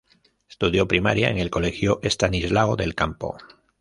Estudió primaria en el colegio Estanislao del Campo.